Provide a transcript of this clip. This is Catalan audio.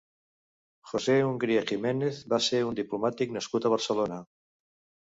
José Ungría Jiménez va ser un diplomàtic nascut a Barcelona.